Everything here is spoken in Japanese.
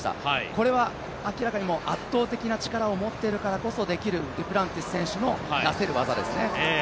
これは明らかに圧倒的な力を持ってるからこそできるデュプランティス選手の成せる技ですね。